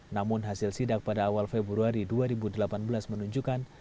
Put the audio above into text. namun hasil sidak pada awal februari dua ribu delapan belas menunjukkan